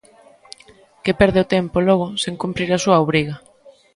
Que perde o tempo, logo, sen cumprir a súa obriga.